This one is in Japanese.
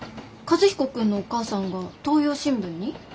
和彦君のお母さんが東洋新聞に？